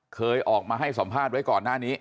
เคยออกมาให้สัมภาษณ์ไว้ก่อนหน้านี้